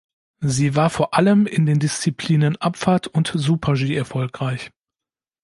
Sie war vor allem in den Disziplinen Abfahrt und Super-G erfolgreich.